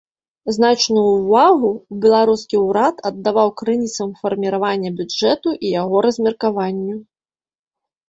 Значную ўвагу беларускі ўрад аддаваў крыніцам фарміравання бюджэту і яго размеркаванню.